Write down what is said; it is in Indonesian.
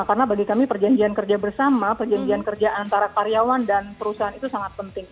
karena bagi kami perjanjian kerja bersama perjanjian kerja antara karyawan dan perusahaan itu sangat penting